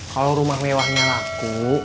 kalau rumah mewahnya laku